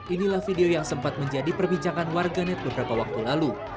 inilah video yang sempat menjadi perbincangan warganet beberapa waktu lalu